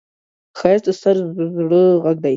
ښایست د ستر زړه غږ دی